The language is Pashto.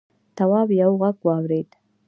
تواب یوه غږ واورېد.